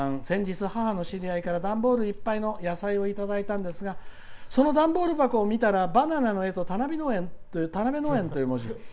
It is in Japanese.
「先日は母の知り合いから段ボールいっぱいの野菜をいただいたんですがその段ボール箱を見たらバナナの絵と田辺農園という文字が。